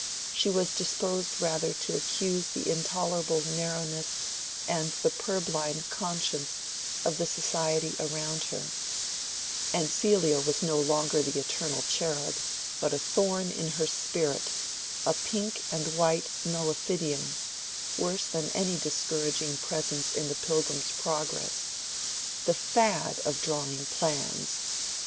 She was disposed rather to accuse the intolerable narrowness and the purblind conscience of the society around her: and Celia was no longer the eternal cherub, but a thorn in her spirit, a pink and white nullifidian, worse than any discouraging presence in the "Pilgrim's Progress." The fad of drawing plans!